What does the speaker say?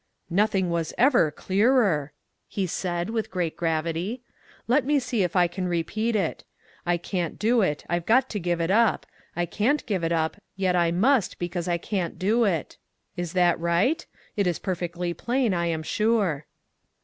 " Nothing was ever clearer !" he said, with great gravity. " Let me see if I can repeat it :' I can't do it; I've got to give it up; I can't 267 MAG AND MARGARET give it up, yet I must, because I can't do it !' Is that right? It is perfectly plain, I am sure."